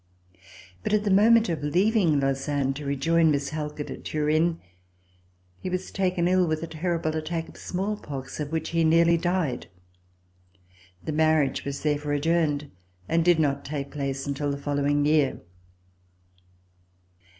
But at the mo ment of leaving Lausanne to rejoin Miss Halkett at Turin, he was taken ill with a terrible attack of smallpox, of which he nearly died. The marriage was therefore adjourned and did not take place until the following year.